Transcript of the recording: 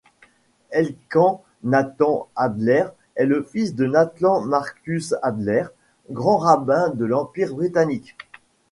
Elkan Nathan Adler est le fils de Nathan Marcus Adler, Grand-Rabbin de l'Empire britannique.